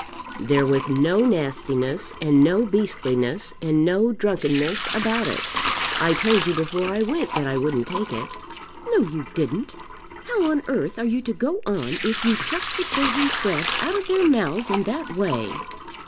"There was no nastiness, and no beastliness, and no drunkenness about it. I told you before I went that I wouldn't take it." "No; you didn't. How on earth are you to go on if you chuck the children's bread out of their mouths in that way?"